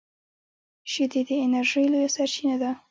شیدې د انرژۍ لویه سرچینه ده